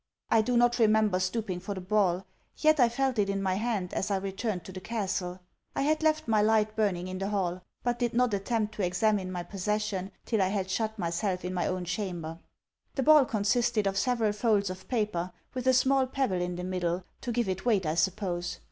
I do not remember stooping for the ball; yet I felt it in my hand as I returned to the castle. I had left my light burning in the hall; but did not attempt to examine my possession, till I had shut myself in my own chamber. The ball consisted of several folds of paper, with a small pebble in the middle, to give it weight I suppose.